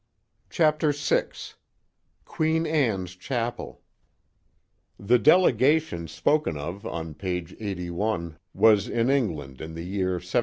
Chapter VI Queen Ann s Chapel THE delegation spoken of on page 8i was in England in the year 1708.